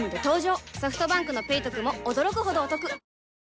ソフトバンクの「ペイトク」も驚くほどおトク